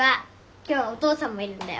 今日はお父さんもいるんだよ。